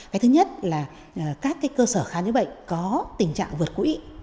cái thứ nhất là các cơ sở khám chữa bệnh có tình trạng vượt quỹ